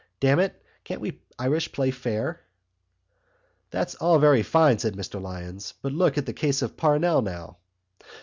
Damn it, can't we Irish play fair?" "That's all very fine," said Mr Lyons. "But look at the case of Parnell now."